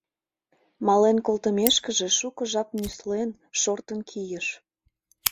Мален колтымешкыже шуко жап нюслен, шортын кийыш.